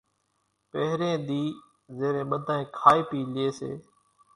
پھرين ۮي زيرين ٻڌانئين کائي پِي لئي سي